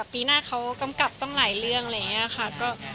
ปีหน้าเขากำกับต้องหลายเรื่องอะไรอย่างนี้ค่ะ